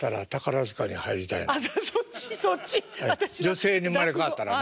女性に生まれ変わったらね。